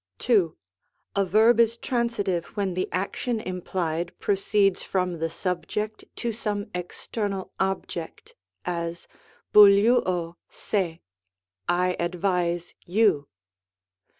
2. A verb is Transitive, when the action implied proceeds from the subject to some external object, as, fiovlbvco 0€^ "I advise you."